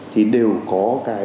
thì đều có